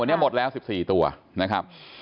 วันนี้หมดแล้ว๑๔ตัวนะครับ